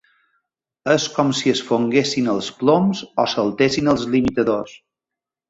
És com si es fonguessin els ploms o saltessin els limitadors.